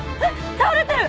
倒れてる！